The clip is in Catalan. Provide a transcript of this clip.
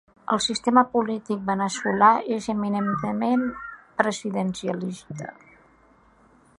El sistema polític veneçolà és eminentment presidencialista.